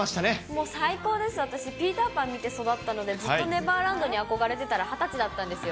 もう最高です、私、ピーター・パン見て育ったので、ずっとネバーランドにあこがれてたら２０歳だったんですよ。